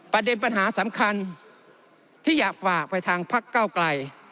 ประเด็นปัญหาสำคัญที่อยากฝากไปทางพักเก้าไกล